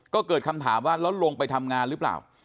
ก็เกิดคำถามว่าแล้วลงไปทำงานหรือเปล่า